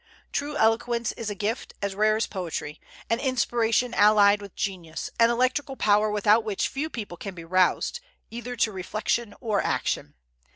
True eloquence is a gift, as rare as poetry; an inspiration allied with genius; an electrical power without which few people can be roused, either to reflection or action.